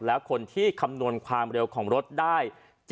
และคนที่คำนวณความเร็วของรถได้